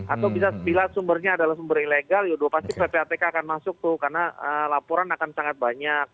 atau bisa bila sumbernya adalah sumber ilegal ya sudah pasti ppatk akan masuk tuh karena laporan akan sangat banyak